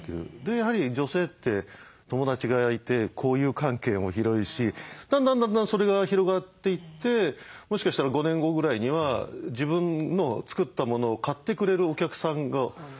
やはり女性って友達がいて交友関係も広いしだんだんだんだんそれが広がっていってもしかしたら５年後ぐらいには自分の作ったものを買ってくれるお客さんが作っていけるかもしれない。